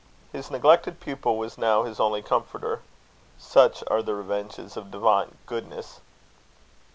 His neglected pupil was now his only comforter. Such are the revenges of divine goodness.